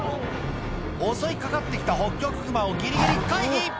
襲いかかってきたホッキョクグマをギリギリ回避